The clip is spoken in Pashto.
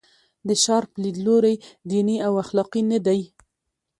د شارپ لیدلوری دیني او اخلاقي نه دی.